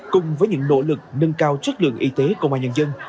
cùng với những nỗ lực nâng cao chất lượng y tế của ngoài nhân dân